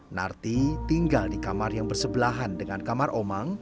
narti tinggal di kamar yang bersebelahan dengan kamar omang